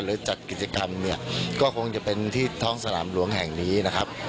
จัดกิจกรรมเนี่ยก็คงจะเป็นที่ท้องสนามหลวงแห่งนี้นะครับ